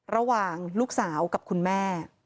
ระหว่างลูกสาวกับคุณแม่